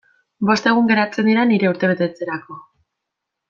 Bost egun geratzen dira nire urtebetetzerako.